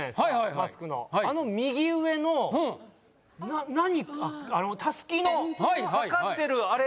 マスクのあの右上の何たすきのかかってるあれ